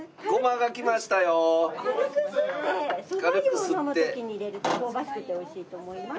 軽くすってそば湯を飲む時に入れると香ばしくておいしいと思います。